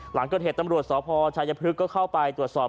หลังเกิดเหตุตำรวจสพชายพลึกก็เข้าไปตรวจสอบ